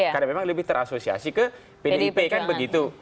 karena memang lebih terasosiasi ke pdip kan begitu